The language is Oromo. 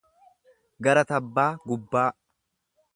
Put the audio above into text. Gara tabbaa, gubbaa.